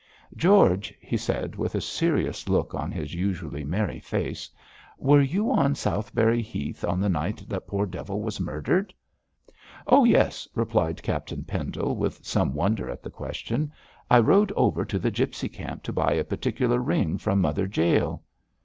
'George,' he said, with a serious look on his usually merry face, 'were you on Southberry Heath on the night that poor devil was murdered?' 'Oh, yes,' replied Captain Pendle, with some wonder at the question. 'I rode over to the gipsy camp to buy a particular ring from Mother Jael.'